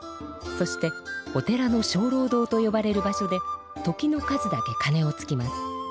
そしてお寺のしょうろう堂とよばれる場所で時の数だけかねをつきます。